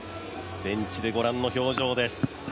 ベンチで、ご覧の表情です。